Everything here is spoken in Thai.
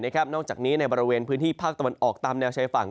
นอกจากนี้ในบริเวณพื้นที่ภาคตะวันออกตามแนวชายฝั่ง